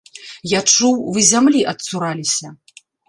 Я чуў, вы зямлі адцураліся.